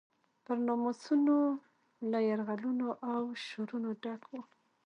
پر ناموسونو له یرغلونو او شورونو ډک و.